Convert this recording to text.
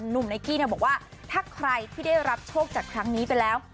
หนุ่มไนกี้บอกว่าถ้าใครที่ได้รับโชคจากครั้งนี้ไปแล้ว